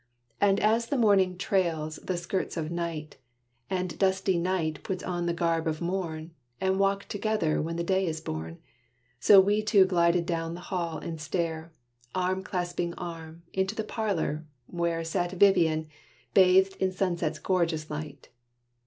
And as the morning trails the skirts of night, And dusky night puts on the garb of morn, And walk together when the day is born, So we two glided down the hall and stair, Arm clasping arm, into the parlor, where Sat Vivian, bathed in sunset's gorgeous light.